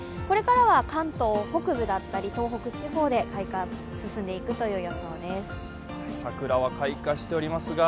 これからは関東北部だったり東北地方で開花、進んでいくという予想です。